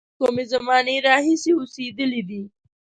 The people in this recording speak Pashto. له کومې زمانې راهیسې اوسېدلی دی.